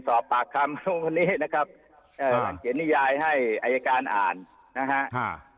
สอบปากคำนู่นนี่นะครับเอ่อเขียนนิยายให้อายการอ่านนะฮะอ่า